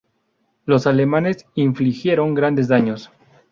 Los alemanes infligieron grandes daños.